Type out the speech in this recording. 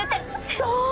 そう！